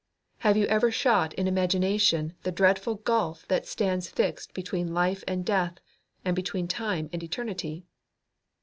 Have you ever shot in imagination the dreadful gulf that stands fixed between life and death, and between time and eternity?